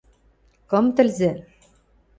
Кым тӹлзӹ!..